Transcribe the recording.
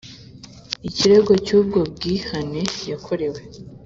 ikirego cy ubwo bwihane yakorewe